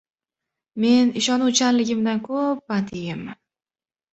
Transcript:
Men ishonuvchanligimdan ko‘p pand yeganman.